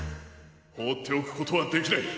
ほうっておくことはできない！